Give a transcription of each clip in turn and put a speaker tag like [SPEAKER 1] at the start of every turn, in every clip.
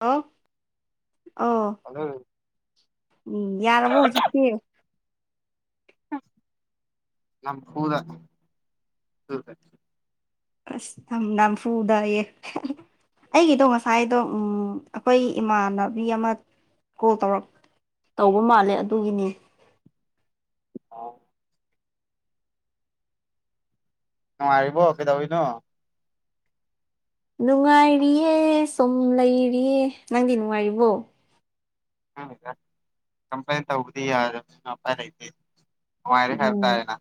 [SPEAKER 1] ꯍꯥ ꯑꯣ
[SPEAKER 2] ꯑꯗꯨ
[SPEAKER 1] ꯎꯝ ꯌꯥꯔꯕꯣ ꯍꯧꯖꯤꯛꯁꯤ
[SPEAKER 2] ꯅꯝ ꯐꯨꯗ ꯇ
[SPEAKER 1] ꯑꯁ ꯊꯝꯅꯝ ꯐꯨꯗꯑ ꯑꯩꯒꯤꯗꯣ ꯉꯁꯥꯏꯗꯣ ꯑꯩꯈꯣꯏ ꯏꯃꯥꯟꯅꯕꯤ ꯑꯃ ꯀꯣꯜ ꯇꯧꯔꯛ ꯇꯧꯕ ꯃꯥꯜꯂꯦ ꯑꯗꯨꯒꯤꯅꯤ
[SPEAKER 2] ꯑꯥꯎ ꯅꯨꯡꯉꯥꯏꯔꯤꯕꯣ ꯀꯩꯗꯧꯕꯅꯣ
[SPEAKER 1] ꯅꯨꯡꯉꯥꯏꯔꯤꯌꯦ ꯁꯨꯝ ꯂꯩꯔꯤꯌꯦ ꯅꯪꯗꯤ ꯅꯨꯡꯉꯥꯏꯔꯤꯕꯣ
[SPEAKER 2] ꯎ ꯀꯝꯄ꯭ꯂ ꯇꯗꯤ ꯑꯄꯥꯏꯔ ꯑ ꯍꯔꯦ ꯍꯔ
[SPEAKER 1] ꯎꯝ
[SPEAKER 2] ꯇꯑꯅ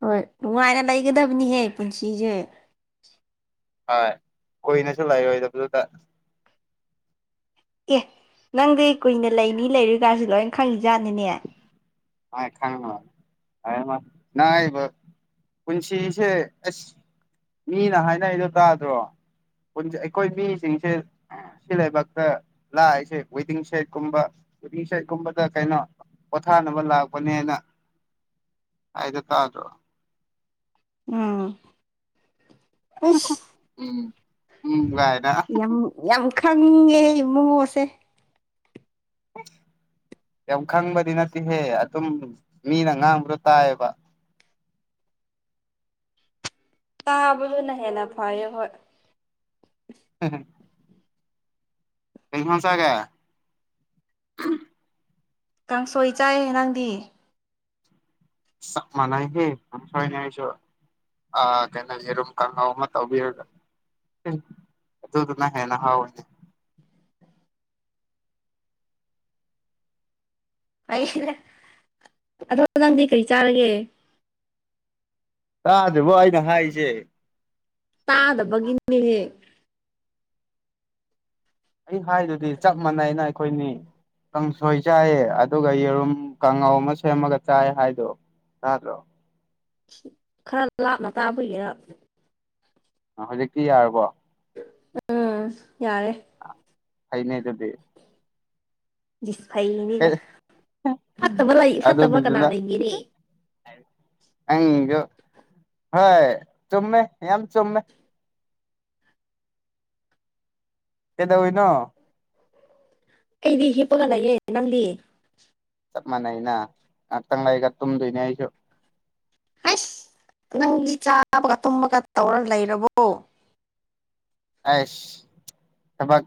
[SPEAKER 1] ꯍꯣꯏ ꯅꯨꯡꯉꯥꯏꯅ ꯂꯩꯒꯗꯕꯅꯤꯍꯦ ꯄꯨꯟꯁꯤꯁꯦ
[SPEAKER 2] ꯍꯣꯏ ꯀꯨꯏꯅꯁꯨ ꯂꯩꯥꯛꯔꯣꯏꯗꯕꯗꯨꯗ
[SPEAKER 1] ꯑꯦꯍ ꯅꯪꯗꯤ ꯀꯨꯏꯅ ꯂꯩꯅꯤ ꯂꯩꯔꯨꯀꯁꯨ ꯂꯣꯏ ꯈꯪꯂꯤ ꯖꯥꯠꯅꯤꯅꯦ
[SPEAKER 2] ꯑ ꯈ ꯄꯨꯟꯁꯤꯁꯦ ꯑꯁ ꯃꯤꯅ ꯍꯥꯏꯅꯩꯗꯣ ꯇꯥꯗ꯭ꯔꯣ ꯟ ꯑꯩꯈꯣꯏ ꯃꯤꯁꯤꯡꯁꯦ ꯁꯤ ꯂꯩꯥꯏꯕꯛꯇ ꯂꯥꯛꯏꯁꯦ ꯋꯦꯗꯤꯡ ꯁꯦꯠꯀꯨꯝꯕ ꯁ ꯀꯨꯝꯕꯗ ꯀꯩꯅꯣ ꯄꯊꯥ ꯂꯥꯛꯄꯅꯦ ꯍꯥꯏꯅ ꯍꯥꯏꯗ ꯇꯥꯗ꯭ꯔꯣ
[SPEAKER 1] ꯎꯝ
[SPEAKER 2] ꯎꯝ ꯎꯝ ꯥꯏ
[SPEAKER 1] ꯌꯥꯝ ꯌꯥꯝ ꯈꯪꯉꯦ ꯏꯃꯨꯡꯉꯣꯁꯦ
[SPEAKER 2] [inaudible] ꯌꯥꯝ ꯈꯪꯕꯗꯤ ꯅꯠꯇꯦꯍꯦ ꯑꯗꯨꯝ ꯃꯤꯅ ꯉꯥꯡꯕ꯭ꯔꯣ ꯇꯥꯏꯑꯕ
[SPEAKER 1] ꯇꯥꯕꯗꯨꯅ ꯍꯦꯟꯅ ꯐꯩꯌꯦ ꯍꯣꯏ
[SPEAKER 2] ꯍꯝ ꯀꯩꯚꯥꯟꯁꯒꯦ
[SPEAKER 1] ꯀꯥꯡꯁꯣꯏ ꯆꯥꯏ ꯅꯪꯗꯤ
[SPEAKER 2] ꯃꯅꯥꯥꯏꯦꯩꯅ ꯍꯥꯏ ꯑ ꯀ ꯀ ꯇꯧꯕꯤꯔꯒ ꯑꯗꯨꯗꯨꯅ ꯍꯦꯟꯅ ꯍꯥꯎꯋꯅꯤ
[SPEAKER 1] ꯑꯩꯁꯤ ꯑꯗꯣ ꯅꯪꯗꯤ ꯀꯔꯤ ꯆꯥꯔꯒꯦ
[SPEAKER 2] ꯇꯥꯗꯦꯕꯣ ꯑꯩꯅ ꯍꯥꯏꯁꯦ
[SPEAKER 1] ꯇꯥꯗꯕꯒꯤ ꯍꯦ
[SPEAKER 2] ꯑꯩ ꯍꯥꯏꯗꯨꯗꯤ ꯆꯞ ꯃꯥꯟꯅꯩꯅ ꯑꯩꯈꯣꯏꯅꯤ ꯀꯥꯡꯁꯣꯏ ꯆꯥꯏꯑ ꯑꯗꯨꯒ ꯌꯦꯔꯨꯝ ꯀꯥꯡꯉꯥꯎ ꯑꯃ ꯁꯦꯝꯃꯒ ꯆꯥꯏ ꯍꯥꯏꯗꯣ ꯑꯗꯣ
[SPEAKER 1] ꯈꯔ ꯂꯥꯞꯅ ꯇꯥꯕꯒꯤꯔ
[SPEAKER 2] ꯍꯧꯖꯤꯛꯇꯤ ꯌꯥꯔꯕꯣ
[SPEAKER 1] ꯎꯝ ꯌꯥꯔꯦ
[SPEAKER 2] ꯍꯥꯏꯅꯦ ꯑꯗꯨꯗꯤ
[SPEAKER 1] ꯁ ꯐꯅꯤꯒ
[SPEAKER 2] ꯑꯦ
[SPEAKER 1] ꯐꯠꯇꯕ ꯂꯩ ꯐꯠꯇꯕ ꯀꯅꯥ
[SPEAKER 2] ꯑꯗꯨꯗꯨꯗꯨꯅ
[SPEAKER 1] ꯂꯩ ꯃꯤꯅꯦꯦ
[SPEAKER 2] ꯍꯣꯏ ꯆꯨꯝꯃꯦ ꯌꯥꯝ ꯆꯨꯝꯃꯦ ꯀꯗꯧꯣꯏꯅꯣ
[SPEAKER 1] ꯑꯩꯗꯤ ꯍꯤꯞꯄꯒ ꯂꯩꯑꯦ ꯅꯪꯗꯤ
[SPEAKER 2] ꯆꯞ ꯃꯥꯟꯅꯩꯩꯅ ꯉꯍꯥꯛꯇꯪ ꯂꯩꯒ ꯇꯨꯝꯗꯣꯏꯅꯦ ꯑꯩꯁꯨ
[SPEAKER 1] ꯑꯁ ꯅꯪꯗꯤ ꯆꯥꯕꯒ ꯇꯨꯝꯃꯒ ꯇꯧꯔ ꯂꯩꯔꯕꯣ
[SPEAKER 2] ꯑꯁ ꯊꯕꯥꯥꯛ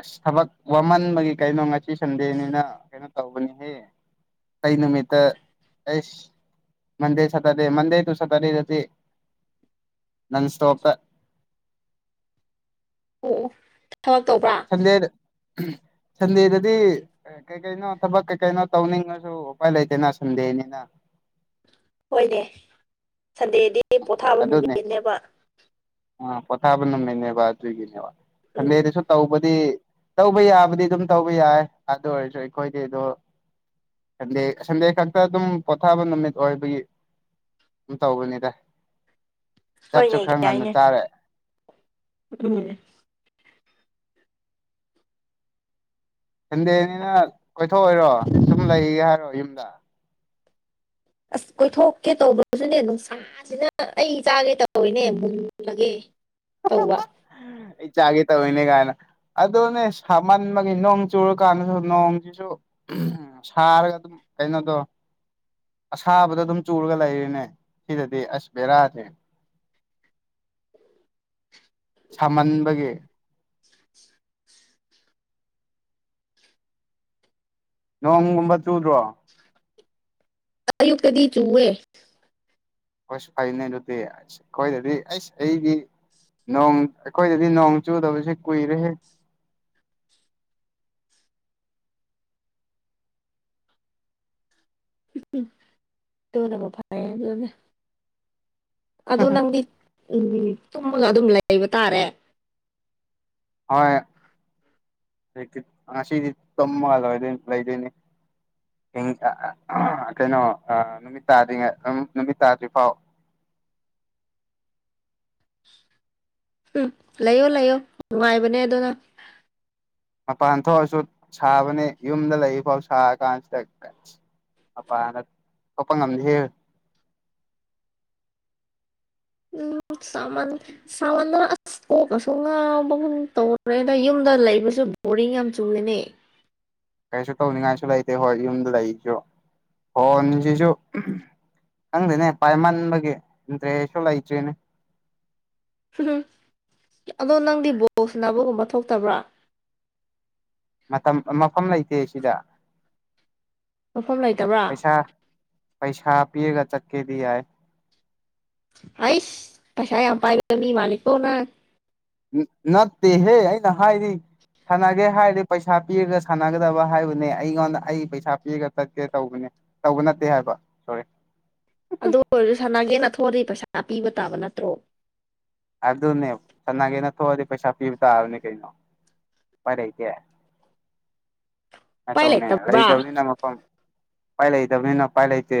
[SPEAKER 2] ꯑꯁ ꯊꯕꯛ ꯋꯥꯃꯟꯕꯒꯤ ꯀꯩꯅꯣ ꯉꯁꯤ ꯁꯟꯗꯦꯅꯤꯅ ꯀꯩꯅꯣ ꯇꯧꯕꯅꯤꯍꯦ ꯀꯩ ꯅꯨꯃꯤꯠꯠꯇ ꯑꯦꯁ ꯃꯗꯦ ꯁꯇꯥꯗꯦ ꯃꯗꯦ ꯇꯨ ꯁꯇꯥꯔ ꯑꯗꯨꯗꯤ ꯅꯟ ꯁꯇꯣꯄꯦ
[SPEAKER 1] ꯑꯣ ꯊꯕꯛ ꯇꯧꯕ꯭ꯔꯥ
[SPEAKER 2] ꯆꯗꯦꯗꯗꯤ ꯀꯩ ꯀꯩꯅꯣ ꯊꯕꯛ ꯀꯩ ꯀꯩꯅꯣ ꯇꯧꯅꯤꯡꯉꯁꯨ ꯎꯄꯥꯏ ꯂꯩꯇꯦꯅ ꯁꯟꯗꯦꯅꯤꯅ
[SPEAKER 1] ꯍꯣꯏꯅꯦ ꯁꯟꯗꯦꯗꯤ ꯄꯣꯊꯥꯕ ꯅꯨꯃꯤꯠꯅꯦꯕ
[SPEAKER 2] ꯑꯥ ꯄꯣꯊꯥꯕ ꯅꯝꯃꯤꯅꯦꯕ ꯑꯗꯨꯒꯤꯅꯦꯕ
[SPEAKER 1] ꯎꯝ
[SPEAKER 2] ꯁꯟꯗꯦꯗꯁꯨ ꯇꯧꯕꯗꯤ ꯇꯧꯕ ꯌꯥꯕꯨꯗꯤ ꯑꯗꯨꯝ ꯇꯧꯕ ꯌꯥꯏ ꯑꯗꯨ ꯑꯣꯏꯔꯁꯨ ꯑꯩꯈꯣꯏꯗꯤ ꯑꯗꯨꯣ ꯁꯟꯗꯦ ꯁꯟꯗꯦ ꯈꯛꯇ ꯑꯗꯨꯝ ꯄꯣꯊꯥꯕ ꯅꯨꯃꯤꯠ ꯑꯣꯏꯕꯒꯤ ꯇꯧꯕꯅꯤꯗ ꯆꯥꯛꯁꯨ
[SPEAKER 1] ꯍꯣꯏꯅꯦ
[SPEAKER 2] ꯈꯔ ꯉꯟꯅ
[SPEAKER 1] ꯀꯏꯅꯦ
[SPEAKER 2] ꯆꯥꯔꯦ
[SPEAKER 1] ꯎꯦ [unintelligible] [inaudible]
[SPEAKER 2] ꯁꯟꯗꯦꯅꯤꯅ ꯀꯣꯏꯊꯣꯛꯑꯣꯏꯔꯣ ꯁꯨꯝ ꯂꯩꯒꯦ ꯍꯥꯏꯔꯣ ꯌꯨꯝꯗ [unintelligible]
[SPEAKER 1] ꯑꯁ
[SPEAKER 2] [inaudible]
[SPEAKER 1] ꯀꯣꯏꯊꯣꯛꯀꯦ ꯇꯧꯕ꯭ꯔꯁꯨꯅꯦ ꯅꯨꯡꯁꯥꯁꯤꯅ ꯑꯩ ꯆꯥꯒꯦ ꯇꯧꯔꯤꯅꯦ ꯃꯨꯟ ꯃꯨꯜꯂꯒꯦ ꯇꯧ ꯋꯥ [unintelligible] [inaudible]
[SPEAKER 2] ꯑꯩ ꯆꯥꯒꯦ ꯇꯧꯔꯤꯤꯅꯦ ꯀꯥꯏꯅ ꯑꯗꯨꯅꯦ ꯁꯥꯃꯟꯕꯒꯤ ꯅꯣꯡ ꯆꯨꯔꯀꯥꯟꯗꯁꯨ ꯅꯣꯡꯁꯤꯁꯨ ꯎ ꯁꯥꯔꯒ ꯑꯗꯨꯝ ꯀꯩꯅꯣꯗꯣ ꯑꯁꯥꯕꯗ ꯑꯗꯨꯝ ꯆꯨꯔꯒ ꯂꯩꯔꯤꯅꯦ ꯁꯤꯗꯗꯤ ꯑꯁ ꯕꯦꯔꯥꯁꯦ ꯁꯥꯍꯟꯕꯒꯤ
[SPEAKER 1] [unintelligible] [inaudible]
[SPEAKER 2] ꯅꯣꯡꯒꯨꯝꯕ ꯆꯨꯗ꯭ꯔꯣ
[SPEAKER 1] ꯇꯌꯨꯛꯇꯗꯤ ꯆꯨꯋꯦ
[SPEAKER 2] ꯍꯁ ꯐꯅꯦ ꯑꯗꯨꯗꯤꯁ ꯈꯣꯏ ꯑꯗꯨꯗꯤ ꯑꯩꯁ ꯑꯩꯒꯤ ꯅꯣꯡ ꯑꯩꯈꯣꯏꯗꯗꯤ ꯅꯣꯡ ꯆꯨꯗꯕꯁꯦ ꯀꯨꯏꯔꯦ
[SPEAKER 1] ꯇꯅꯝꯕ ꯐ ꯑꯗꯨꯅꯦ ꯑꯗꯨ ꯅꯪꯗꯤ ꯎ ꯇꯨꯝꯃꯒ ꯑꯗꯨꯝ ꯂꯩꯕ ꯇꯥꯔꯦ
[SPEAKER 2] ꯍꯣꯏ ꯉꯁꯤꯗꯤ ꯇꯝꯃꯒꯗꯣꯏ ꯂꯩꯗꯣꯏꯅꯦ ꯀꯩꯅꯣ ꯅꯨꯃꯤꯠ ꯇꯥꯗ꯭ꯔꯤꯉꯩ ꯅꯨꯃꯤꯠ ꯇꯥꯗ꯭ꯔꯤ ꯐꯥꯎ [unintelligible] [inaudible]
[SPEAKER 1] ꯎꯝ ꯂꯩꯌꯣ ꯂꯩꯌꯣ ꯅꯨꯡꯉꯥꯏꯕꯅꯦ ꯑꯗꯨꯅ
[SPEAKER 2] ꯃꯄꯥꯟ ꯊꯣꯛꯑꯁꯨ ꯁꯥꯕꯅꯤ ꯌꯨꯝꯗ ꯂꯩꯔꯤꯐꯥꯎ ꯁꯥꯔ ꯀꯥꯟꯁꯤꯗ ꯑꯄꯥꯅ ꯊꯣꯛꯄ ꯉꯝꯗꯦ
[SPEAKER 1] ꯎꯝ ꯁꯃꯅ ꯁꯃꯅ ꯀꯣꯛꯀꯁꯨ ꯉꯥꯎꯕꯒꯨꯟ ꯇꯧꯔꯦ ꯑꯗ ꯌꯨꯝꯗ ꯂꯩꯕꯁꯨ ꯕꯣꯔꯤꯡ ꯌꯥꯝ ꯆꯨꯏꯦꯅꯦ
[SPEAKER 2] ꯀꯩꯁꯨ ꯇꯧꯅꯤꯡꯉꯥꯏꯁꯨ ꯂꯩꯇꯦ ꯍꯣꯏ ꯌꯨꯝꯗ ꯂꯩꯔꯤꯁꯨ ꯍꯣꯏꯁꯤꯁꯨ ꯍꯪꯗꯦꯅꯦ ꯄꯥꯏꯃꯥꯟꯕꯦ ꯅꯟꯗ꯭ꯔꯦꯁꯣꯂ ꯏꯇ꯭ꯔꯤꯅꯦ
[SPEAKER 1] ꯎ ꯑꯗꯣ ꯅꯪꯗꯤ ꯕꯣꯛꯁ ꯅꯕꯒꯨꯝꯕ ꯊꯣꯛꯇꯕ꯭ꯔꯥ
[SPEAKER 2] ꯃꯇꯝ ꯃꯐꯝ ꯂꯩꯇꯦ ꯁꯤꯗ
[SPEAKER 1] ꯃꯐꯝ ꯂꯩꯇꯕ꯭ꯔꯥ
[SPEAKER 2] ꯄꯩꯁꯥ ꯄꯩꯁꯥ ꯄꯤꯑꯒ ꯆꯠꯀꯦꯗꯤ ꯌꯥꯏ
[SPEAKER 1] ꯑꯏꯁ ꯀꯁꯥꯏ ꯌꯥꯝ ꯄꯥꯏꯒ ꯃꯤ ꯃꯥꯅꯤꯛꯣꯅ
[SPEAKER 2] ꯅ ꯇꯦꯍꯦ ꯑꯩ ꯅꯍꯗꯤ ꯁꯥꯟꯅꯒꯦ ꯍꯥꯏꯔꯗꯤ ꯄꯩꯁꯥ ꯄꯤꯔꯒ ꯁꯥꯟꯅꯒꯗꯕ ꯍꯥꯏꯕꯅꯦ ꯑꯩꯉꯣꯟꯗ ꯑꯩ ꯄꯩꯁꯥ ꯄꯤꯔꯒ ꯆꯠꯀꯦ ꯇꯧꯕꯅꯦ ꯇꯧꯕ ꯅꯠꯇꯦ ꯍꯥꯏꯕ ꯁꯣꯔꯤ
[SPEAKER 1] ꯑꯗꯨ ꯑꯣꯏꯔꯁꯨ ꯁꯅꯥꯒꯦꯅꯊꯣꯛꯑꯗꯤ ꯄꯩꯁꯥ ꯄꯤꯕ ꯇꯥꯕ ꯅꯠꯇ꯭ꯔꯣ
[SPEAKER 2] ꯑꯗꯨꯅꯦ ꯁꯅꯥꯒꯤꯅ ꯊꯣꯛꯑꯗꯤ ꯄꯩꯁꯥ ꯄꯤꯕ ꯇꯥꯔꯕꯅꯦ ꯀꯩꯅꯣ ꯐ ꯂꯩꯇꯦ ꯀ
[SPEAKER 1] ꯎꯄꯥꯏ
[SPEAKER 2] ꯇꯧꯅꯦ
[SPEAKER 1] ꯂꯩꯇꯕ꯭ꯔꯥ
[SPEAKER 2] ꯂꯩꯗꯕꯅꯤꯅ ꯃꯐꯝ ꯄꯥꯏꯂ ꯏꯗ ꯃꯤꯅ ꯄꯥꯏꯂ ꯏꯆꯦ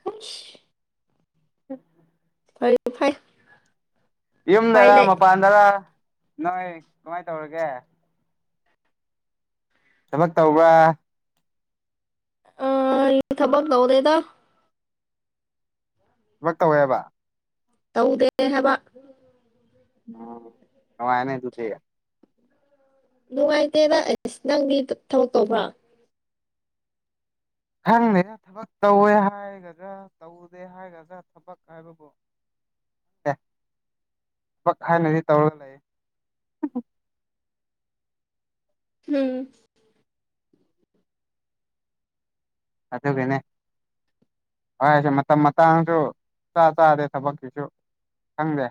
[SPEAKER 1] ꯈꯨꯁ
[SPEAKER 2] ꯎꯝ
[SPEAKER 1] ꯐꯔꯦ ꯐꯩ ꯎꯄꯥꯏ
[SPEAKER 2] ꯌꯨꯝꯗꯔ
[SPEAKER 1] ꯂꯩ
[SPEAKER 2] ꯃꯄꯥꯟꯗꯔ ꯅꯣꯏ ꯀꯃꯥꯏꯅ ꯇꯧꯔꯒꯦ ꯊꯕꯛ ꯇꯧꯕ꯭ꯔꯥ
[SPEAKER 1] ꯑ ꯊꯕꯛ ꯇ ꯍꯧꯗꯦꯗ
[SPEAKER 2] ꯊꯕ ꯇꯧꯋꯦꯕ
[SPEAKER 1] ꯇꯧꯗꯦꯍꯕ
[SPEAKER 2] ꯎꯝ ꯑ ꯑꯦꯅꯦ ꯊ ꯊ
[SPEAKER 1] ꯅꯨꯡꯉꯥꯏꯇꯦꯗ ꯑꯦꯁ ꯅꯪꯗꯤ ꯊꯕꯛ ꯇꯧꯕ꯭ꯔꯥ
[SPEAKER 2] ꯈꯪꯗꯦ ꯊꯕꯛ ꯇꯧꯋꯦ ꯍꯥꯏꯒꯗ꯭ꯔꯥ ꯇꯧꯗꯦ ꯍꯥꯏꯒꯗ꯭ꯔꯥ ꯊꯕꯛ ꯍꯥꯏꯕꯕꯨ ꯑꯦ ꯄꯛ ꯍꯥꯏꯥꯏꯅꯗꯤ ꯇꯧꯔꯒ ꯂꯩ
[SPEAKER 1] ꯎꯝ
[SPEAKER 2] ꯑꯗꯒꯅꯦ ꯍꯣꯏꯁꯦ ꯃꯇꯝ ꯃꯇꯥꯡꯁꯨ ꯆꯥ ꯆꯥꯗꯦ ꯊꯕꯛꯀꯤꯁꯨ ꯐꯪꯗꯦ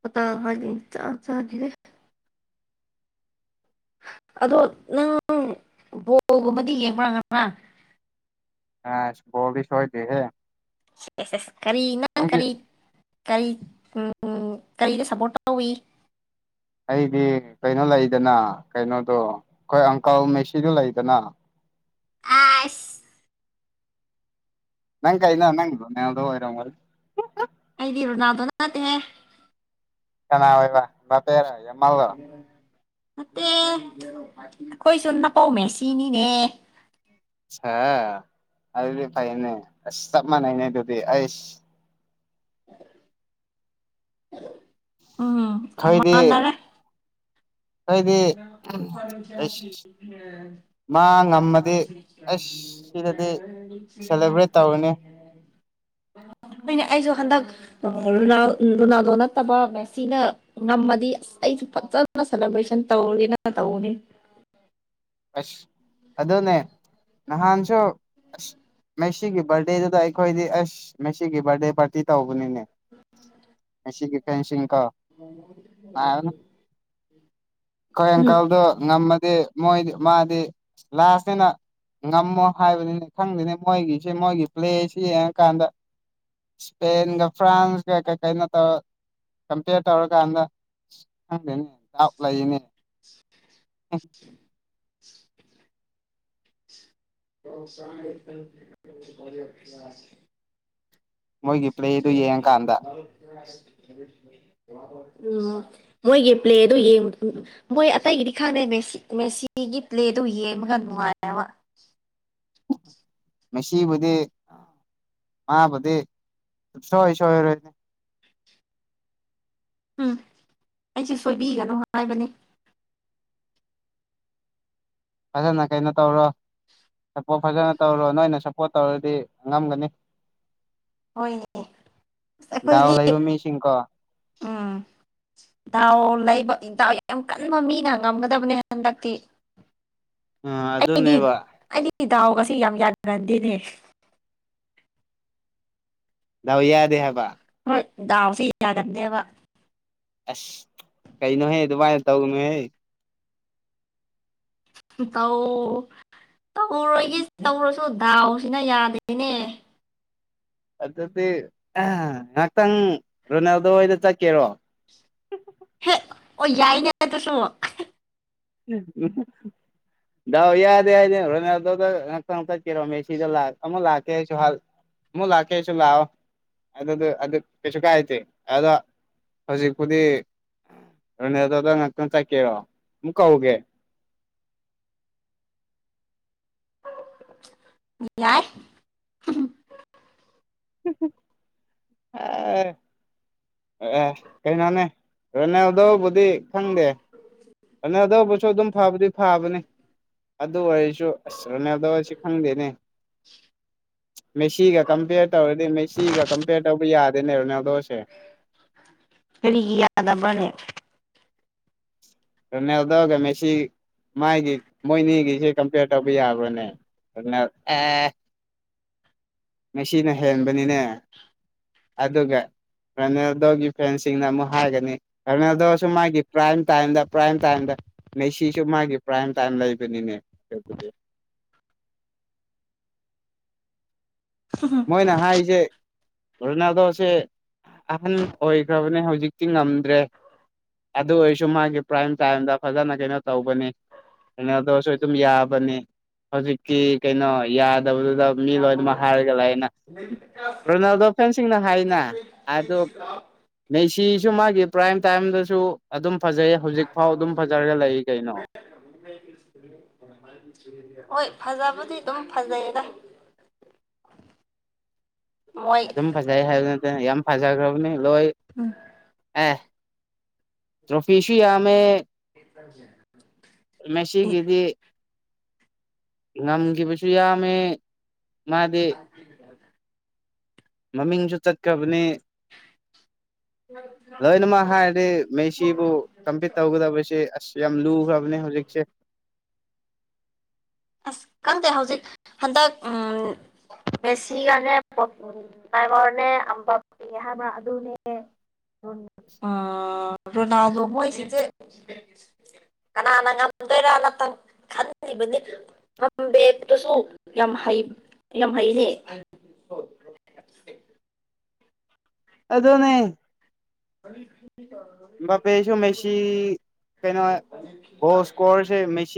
[SPEAKER 1] ꯄ ꯇ ꯍꯥꯏ ꯆꯥ ꯆꯥꯗ [unintelligible] ꯑꯗꯣ ꯅꯪ ꯕꯣꯜꯒꯨꯝꯕꯗꯤ ꯌꯦꯡꯕꯥꯒꯗ꯭ꯔ
[SPEAKER 2] ꯑ ꯣꯕꯤꯁ ꯑꯣꯏꯗꯤꯍꯦ
[SPEAKER 1] [unintelligible] ꯀꯔꯤꯅ ꯀꯔꯤ ꯀꯩ ꯎꯝ ꯀꯩꯗ ꯁꯄꯣꯔ ꯇꯧꯋꯤ
[SPEAKER 2] ꯑꯩꯗꯤ ꯀꯩꯅꯣ ꯂꯩꯗꯅ ꯀꯩꯅꯣꯗꯣ ꯑꯩꯈꯣꯏ ꯑꯪꯀꯜ ꯃꯦꯁꯤꯗꯣ ꯂꯩꯗꯅ [inaudible]
[SPEAKER 1] ꯑꯁ
[SPEAKER 2] ꯅꯪ ꯀꯩꯅꯣ ꯅꯪ ꯔꯣꯅꯥꯜꯗꯣ ꯑꯣꯏꯔꯝꯒꯅꯤ
[SPEAKER 1] ꯑꯩꯗꯤ ꯔꯣꯅꯥꯗꯣ ꯅ ꯅꯠꯇꯍꯦ
[SPEAKER 2] ꯀꯅꯥ ꯑꯣꯏꯕ ꯕꯄꯦ ꯔꯣ ꯌꯥꯝꯃꯜ ꯂꯣ
[SPEAKER 1] ꯅꯠꯇꯦ ꯑꯈꯣꯏꯁꯨ ꯅꯥꯄꯧ ꯃꯦꯁꯤꯅꯤꯅꯦ
[SPEAKER 2] ꯍ ꯑꯗꯨꯗꯤ ꯐꯩꯅꯦ ꯑꯁ ꯆꯞ ꯃꯥꯟꯅꯩꯅꯦ ꯑꯗꯨꯗꯤ ꯑꯩꯁ
[SPEAKER 1] ꯎꯝ ꯑ
[SPEAKER 2] ꯑꯩꯈꯣꯏꯗꯤ
[SPEAKER 1] ꯃꯥꯅꯔꯦ
[SPEAKER 2] ꯑꯩꯈꯣꯏꯗꯤ ꯑꯩꯁ ꯃꯥ ꯉꯝꯃꯗꯤ
[SPEAKER 1] [unintelligible]
[SPEAKER 2] ꯑꯁ ꯁꯤꯗꯗꯤ ꯁꯦꯂꯦꯕ꯭ꯔꯦꯠ ꯇꯧꯔꯅꯤ
[SPEAKER 1] [unintelligible]
[SPEAKER 2] [inaudible]
[SPEAKER 1] ꯅꯦ ꯑꯩꯁꯨ ꯍꯟꯗꯛ ꯔꯣ ꯔꯣꯅꯥꯜꯗꯣ ꯅꯠꯇꯕ ꯃꯦꯁꯤꯅ ꯉꯝꯃꯗꯤ ꯑꯁ ꯑꯩꯁꯨ ꯐꯖꯅ ꯁꯦꯂꯦꯕ꯭ꯔꯦꯁꯟ ꯇꯧꯅꯤꯅ ꯇꯧꯅꯤ
[SPEAKER 2] ꯑꯁ ꯑꯗꯣꯅꯦ ꯅꯍꯥꯟꯁꯨ ꯃꯦꯁꯤꯒꯤ ꯕꯥꯔꯗꯦꯗꯨꯗ ꯑꯩꯈꯣꯏꯗꯤ ꯑꯁ ꯃꯦꯁꯤꯒꯤ ꯕꯥꯔꯗꯦ ꯄꯥꯔꯇꯤ ꯇꯧ ꯄꯨꯅꯤꯅꯦ ꯃꯦꯁꯤꯀꯤ ꯐꯦꯟ ꯁꯤꯡ ꯀꯣ ꯍꯣꯏ
[SPEAKER 1] ꯎꯝ
[SPEAKER 2] ꯑꯪꯀꯜꯗꯣ ꯉꯝꯃꯗꯤ ꯃꯣꯏꯗꯤ ꯃꯥꯗꯤ ꯂꯥꯁꯅꯦꯅ ꯉꯝꯃꯣ ꯍꯥꯏꯕꯅꯤꯅꯦ ꯈꯪꯗꯅꯤ ꯃꯣꯏꯒꯤꯁꯤꯦ ꯃꯣꯏꯒꯤ ꯄ꯭ꯂꯦꯁꯤ ꯌꯦꯡꯉꯀꯥꯟꯗ ꯏꯁꯄꯦꯟꯒ ꯐ꯭ꯔꯥꯟꯁꯒ ꯀꯩ ꯀꯩꯅꯣꯠꯇ ꯀꯝꯄꯤꯌꯔ ꯇꯧꯔꯀꯥꯟꯗ ꯈꯪꯗꯅꯤ ꯗꯥꯎꯠ ꯂꯩꯅꯤ [unintelligible]
[SPEAKER 1] [unintelligible]
[SPEAKER 2] ꯃꯣꯏꯒꯤ ꯄ꯭ꯂꯦꯗꯨ
[SPEAKER 1] [unintelligible]
[SPEAKER 2] ꯌꯦꯡꯉꯀꯥꯟꯗ
[SPEAKER 1] ꯎꯝ ꯃꯣꯏꯒꯤ ꯄ꯭ꯂꯦꯗꯣ ꯌꯦꯡ ꯃꯣꯏ ꯑꯇꯩꯒꯤꯗꯤ ꯈꯥꯅꯦ ꯃꯦꯁꯤ ꯃꯦꯁꯤꯒꯤ ꯄꯂꯦꯗꯣ ꯌꯦꯡꯃ ꯅꯨꯉꯥꯏꯑꯦꯕ
[SPEAKER 2] ꯃꯁꯤꯕꯨꯗꯤ ꯃꯥꯕꯨꯗꯤ ꯁꯨꯞ ꯁꯣꯏꯔꯔꯣꯏ
[SPEAKER 1] ꯎꯝ ꯑꯩꯁꯦ ꯁꯣꯏꯕꯤꯒꯅꯨ ꯍꯥꯏꯕꯅꯤ
[SPEAKER 2] ꯐꯖꯅ ꯀꯩꯅꯣ ꯇꯧꯔꯣ ꯁꯞꯄꯣꯔꯠ ꯐꯖꯅ ꯇꯧꯔꯣ ꯅꯣꯏꯅ ꯁꯞꯄꯣꯔꯠ ꯇꯧꯔꯗꯤ ꯉꯝꯒꯅꯤ
[SPEAKER 1] ꯍꯣꯏꯅꯦ ꯑꯁ
[SPEAKER 2] ꯗꯥꯎ
[SPEAKER 1] ꯑꯩꯈꯣꯏꯗꯤ
[SPEAKER 2] ꯂꯩꯕ ꯃꯤꯁꯤꯡꯀꯣ
[SPEAKER 1] ꯎꯝ ꯇꯥꯎ ꯂꯩꯕ ꯌꯥꯝ ꯀꯟꯕ ꯃꯤꯅ ꯉꯝꯒꯗꯕꯅꯦ ꯍꯟꯗꯛꯇꯤ
[SPEAKER 2] ꯎ ꯑꯗꯨ ꯅꯦꯕ
[SPEAKER 1] ꯗꯥꯎ ꯒꯁꯤ ꯌꯥꯝ ꯌꯥꯒꯟꯗꯦꯅꯦ
[SPEAKER 2] ꯅꯎ ꯌꯥꯗꯦ ꯍꯥꯏꯕ
[SPEAKER 1] ꯗꯥꯎꯁꯤ ꯌꯥꯒꯟꯗꯦꯕ
[SPEAKER 2] ꯑꯁ ꯀꯩꯩꯅꯣꯍꯦ ꯑꯗꯨꯃꯥꯏꯅ ꯇꯧꯅꯨꯍꯦ
[SPEAKER 1] ꯇꯥꯎ ꯇꯧꯔꯒꯤ ꯇꯧꯔꯁꯨ ꯗꯥꯎꯁꯤꯅ ꯌꯥꯗꯦꯅꯦ
[SPEAKER 2] ꯑꯗꯨꯗꯤ ꯉꯍꯥꯛꯇꯪ ꯔꯣꯅꯥꯜꯗꯣ ꯍꯣꯏꯗ ꯆꯠꯀꯦꯔꯣ [unintelligible]
[SPEAKER 1] ꯍꯦ ꯑꯣ ꯌꯥꯏꯅꯦ ꯑꯗꯨꯁꯨ
[SPEAKER 2] ꯎ ꯗꯥꯎ ꯌꯥꯗꯦ ꯍꯥꯏꯗꯤ ꯔꯣꯅꯥꯜꯗꯣ ꯗ ꯉꯛꯇ ꯆꯠꯀꯦꯔꯣ ꯃꯦꯁꯤꯗ ꯂꯥꯛ ꯑꯃ ꯂꯥꯛꯀꯦ ꯍꯥꯏꯁꯨ ꯍ ꯃꯨꯂ ꯀꯦꯁꯨꯂ ꯑ ꯑꯗꯨ ꯑꯗꯨ ꯀꯦꯁꯨ ꯀꯥꯏꯇꯦ ꯑꯗ ꯍꯧꯖꯤꯛꯄꯨꯗꯤ ꯔꯣꯅꯦꯜꯗꯣꯗ ꯉꯥꯛꯇꯪ ꯆꯠꯀꯦꯔꯣ ꯑꯃꯨꯛ ꯀꯧꯒꯦ
[SPEAKER 1] ꯌꯥꯔ
[SPEAKER 2] ꯍ ꯑꯦ ꯀꯩꯅꯣꯅꯦ ꯔꯅꯦꯦꯜꯗꯕꯨꯗꯤ ꯈꯪꯗꯦ ꯑ ꯑꯗꯧꯕꯁꯨ ꯑꯗꯨꯝ ꯐꯕꯗꯤ ꯐꯥꯕꯅꯤ ꯑꯗꯨ ꯑꯣꯏꯔꯁꯨ ꯑꯁ ꯔꯅꯦꯗ ꯑꯣꯏꯁꯤ ꯈꯪꯗꯦꯅꯦ ꯃꯦꯁꯤꯒ ꯀꯝꯄꯦꯌꯔ ꯇꯧꯔꯗꯤ ꯃꯦꯁꯤꯒ ꯀꯝꯄꯦꯌꯔ ꯇꯧꯕ ꯌꯥꯗꯦꯅꯦꯕꯅꯦ
[SPEAKER 1] ꯐꯔꯤꯒꯤ ꯌꯥꯗꯕꯅꯦ
[SPEAKER 2] ꯀꯗꯒꯦ ꯃꯦꯁꯤ ꯃꯥꯥꯏꯒꯤ ꯃꯣꯏꯅꯤꯒꯤꯁꯦ ꯀꯝꯄꯤꯌꯔ ꯇꯧꯕ ꯌꯥꯕ꯭ꯔꯣꯅꯦ ꯑꯗꯨ ꯃꯁꯤꯅ ꯍꯦꯟꯕꯅꯤꯅꯦ ꯑꯗꯨꯒ ꯔꯔꯅꯦꯜꯗꯣꯒꯤ ꯐꯦꯟꯁꯤꯡꯅ ꯑꯃꯨꯛ ꯍꯥꯏꯒꯅꯤ ꯔꯔꯅꯦꯜꯗꯣꯁꯨ ꯃꯥꯒꯤ ꯄ꯭ꯔꯥꯏꯝ ꯇꯝ ꯄ꯭ꯔꯥꯏꯝ ꯇꯥꯝ ꯅ ꯁꯤꯁꯨ ꯃꯥꯒꯤ ꯄ꯭ꯔꯥꯏꯝ ꯇꯥꯏꯝ ꯂꯩꯕꯅꯤꯅꯦꯕꯨꯗꯤ ꯃꯣꯏꯅ ꯍꯥꯏꯁꯦ ꯔꯣꯅꯥꯜꯗꯣꯁꯦ ꯑꯍꯟ ꯑꯣꯏꯈ꯭ꯔꯕꯅꯦ ꯍꯧꯖꯤꯛꯇꯤ ꯉꯝꯗ꯭ꯔꯦ ꯑꯗꯨ ꯑꯣꯏꯔꯁꯨ ꯃꯥꯒꯤ ꯄ꯭ꯔꯥꯏꯝ ꯇꯥꯏꯝꯗ ꯐꯖꯅ ꯀꯩꯅꯣ ꯇꯧꯕꯅꯤ ꯀꯩꯅꯣꯗꯁꯨ ꯑꯗꯨꯝ ꯌꯥꯕꯅꯦ ꯍꯧꯖꯤꯛꯀꯤ ꯀꯩꯅꯣ ꯃꯤ ꯂꯣꯏꯃ ꯍꯔꯒꯂꯥꯏ ꯔꯣꯅꯥꯜꯗꯣ ꯐꯦꯟꯁꯤꯡꯅ ꯍꯥꯏꯅ ꯑ ꯁꯤꯁꯨ ꯃꯥꯒꯤ ꯄ꯭ꯔꯥꯏꯝ ꯇꯥꯏꯝꯗꯁꯨ ꯑꯗꯨꯝ ꯐꯖꯩ ꯍꯧꯖꯤꯛ ꯐꯥꯎ ꯑꯗꯨꯝ ꯐꯖꯔꯒ ꯂꯩꯔꯤ ꯀꯩꯅꯣ
[SPEAKER 1] ꯍꯣꯏ ꯐꯖꯕꯨꯗꯤ ꯑꯗꯨꯝ ꯐꯖꯩꯌꯦꯗ ꯃꯣꯏ
[SPEAKER 2] ꯑꯗꯨꯝ ꯐꯖꯩ ꯍꯥꯏꯕ ꯅꯠꯇꯅ ꯌꯥꯝ ꯐꯖꯈ꯭ꯔꯕꯅꯤ ꯂꯣꯏ ꯑꯦ ꯇ꯭ꯔꯣꯐꯁꯨꯃꯦ
[SPEAKER 1] ꯍ
[SPEAKER 2] ꯉꯝꯒꯤ ꯄꯩꯁꯨ ꯌꯥꯃꯦ
[SPEAKER 1] ꯑꯦ
[SPEAKER 2] ꯃꯃꯤꯡꯁꯨ ꯆꯠꯈꯕꯅꯦ ꯂꯣꯏꯅꯃꯛ ꯍꯥꯏꯔꯗꯤ ꯃꯩꯁꯤꯕꯨ ꯀꯝꯄꯤꯠ ꯇꯧꯒꯗꯕꯁꯦ ꯑꯁ ꯌꯥꯝ ꯂꯨꯈ꯭ꯔꯕꯅꯦ ꯍꯧꯖꯤꯛꯁꯦ [inaudible]
[SPEAKER 1] ꯑꯁ ꯈꯪꯗꯦ ꯍꯧꯖꯤꯛ ꯍꯟꯗꯛ ꯎ ꯃꯦꯁꯤꯒꯅꯦ ꯇꯥꯏꯕꯔꯅꯦ ꯑꯝꯕ ꯍꯥꯏꯕꯥ ꯑꯗꯨꯅꯦ ꯑ꯭ꯔꯣꯅ ꯀꯅꯥꯅ ꯉꯝꯗꯣꯏꯔꯅꯪ ꯈ ꯝꯕꯁꯨ ꯌꯥꯝ ꯍꯩ ꯌꯥꯝ ꯍꯩꯅꯦ
[SPEAKER 2] vl. ꯑꯗꯣꯅꯦ ꯄꯁꯨ ꯃꯦꯁꯤ ꯀꯩꯅꯣ ꯣ ꯁꯀꯣꯔꯁꯦ ꯃꯦꯁꯤ